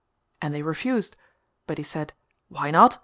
And they refused: but he said "Why not?